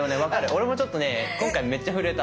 俺もちょっとね今回めっちゃ震えた。